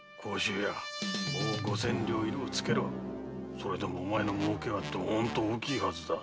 それでもお前の儲けはどーんと大きいはずだ。